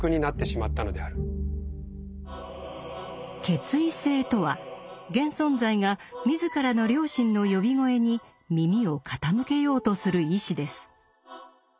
「決意性」とは現存在が自らの「良心の呼び声」に耳を傾けようとする意志です。